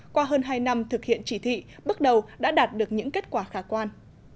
qua hơn hai năm thực hiện chỉ thị bước đầu đã đạt được những kết quả khả quan